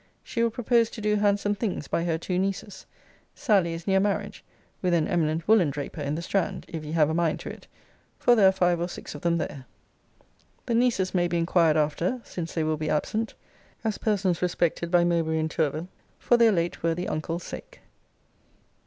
She will propose to do handsome things by her two nieces. Sally is near marriage with an eminent woollen draper in the Strand, if ye have a mind to it; for there are five or six of them there. The nieces may be inquired after, since they will be absent, as persons respected by Mowbray and Tourville, for their late worthy uncle's sake.